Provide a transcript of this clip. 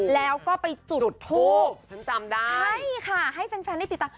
แล้วก็ไปจุดทูบฉันจำได้ใช่ค่ะให้แฟนแฟนได้ติดตาม